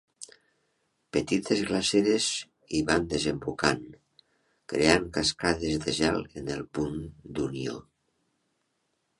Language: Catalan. Petites glaceres hi van desembocant, creant cascades de gel en el punt d'unió.